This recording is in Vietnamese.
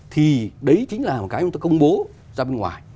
thì đấy chính là một cái mà chúng ta công bố ra bên ngoài